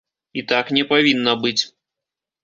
І так не павінна быць.